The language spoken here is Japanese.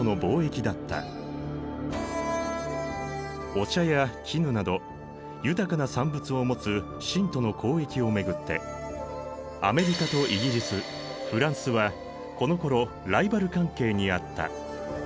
お茶や絹など豊かな産物を持つ清との交易を巡ってアメリカとイギリスフランスはこのころライバル関係にあった。